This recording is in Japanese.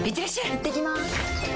いってきます！